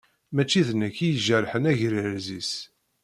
Mačči d nekk i ijerḥen agrez-is.